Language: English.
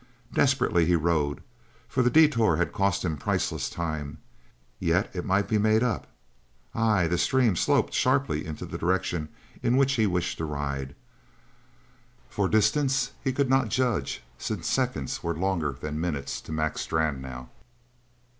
Desperately he rode, for the detour had cost him priceless time, yet it might be made up. Ay, the stream sloped sharply into the direction in which he wished to ride. For a distance he could not judge, since seconds were longer than minutes to Mac Strann now.